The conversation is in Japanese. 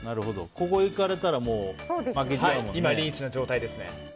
ここにいかれたら負けちゃうもんね。